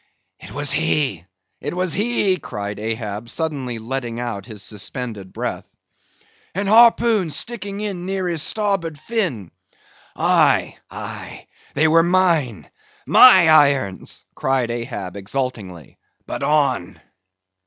"It was he, it was he!" cried Ahab, suddenly letting out his suspended breath. "And harpoons sticking in near his starboard fin." "Aye, aye—they were mine—my irons," cried Ahab, exultingly—"but on!"